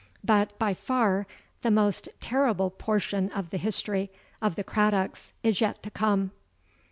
But by far the most terrible portion of the history of the Craddocks is yet to come."